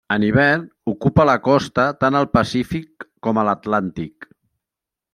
En hivern ocupa la costa, tant al Pacífic com a l'Atlàntic.